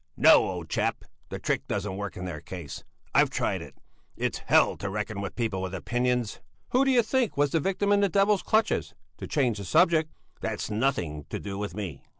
No, old chap, the trick doesn't work in their case. I've tried it! It's hell to reckon with people with opinions." "Who do you think was the victim in the devil's clutches, to change the subject?" "That's nothing to do with me."